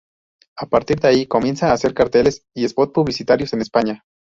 A partir de ahí comienza a hacer carteles y spots publicitarios en España.